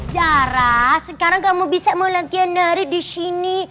zara sekarang kamu bisa mau latihan nari disini